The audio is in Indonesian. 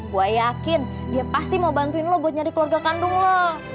gue yakin dia pasti mau bantuin lo buat nyari keluarga kandung lo